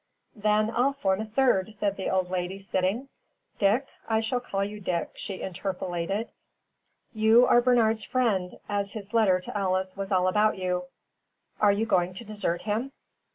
"Then I'll form a third," said the old lady, sitting. "Dick I shall call you Dick," she interpolated "you are Bernard's friend, as his letter to Alice was all about you. Are you going to desert him?"